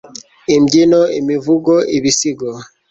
imbyino, imivugo, ibisigo